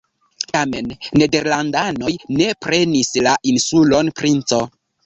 Tamen nederlandanoj ne prenis la insulon Princo.